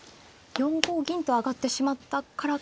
４五銀と上がってしまったから。